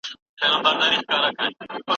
هغه کتاب چي استاد وښود ما پیدا کړ.